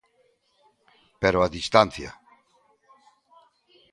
Pero a distancia.